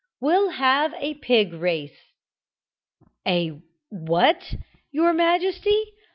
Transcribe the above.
We'll have a pig race!" "A what, your majesty?"